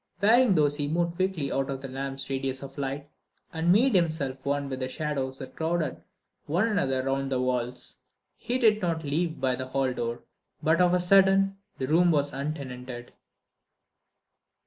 Wearing these he moved quietly out of the lamp's radius of light, and made himself one with the shadows that crowded one another round the walls. He did not leave by the hall door; but of a sudden the room was untenanted.